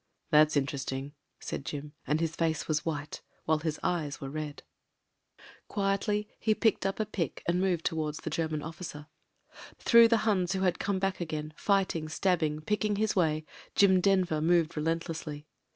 "That's interesting," said Jim, and his face was A^hite, whUe hig ^yes were red. 3IO MEN, WOMEN AND GUNS Quietly he picked up a pick, and moved towards At German officer. Through the Huns who had come back again, fighting, stabbing, picking his way, Jim Denver moved relentlessly.